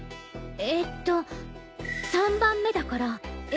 えっと３番目だからＡＢＣ。